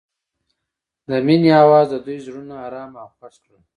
د مینه اواز د دوی زړونه ارامه او خوښ کړل.